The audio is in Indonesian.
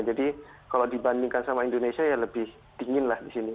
jadi kalau dibandingkan sama indonesia ya lebih dingin lah di sini